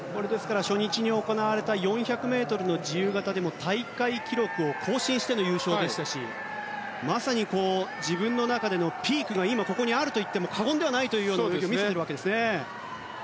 初日に行われた４００ｍ自由形でも大会記録を更新しての優勝でしたしまさに自分の中でのピークが今ここにあるといっても過言ではないというように見えるわけですね。